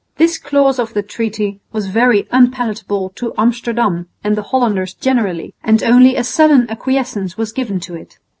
This clause of the treaty was very unpalatable to Amsterdam and the Hollanders generally, and only a sullen acquiescence was given to it.